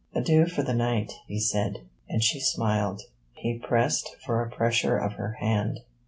'Adieu for the night,' he said, and she smiled. He pressed for a pressure of her hand.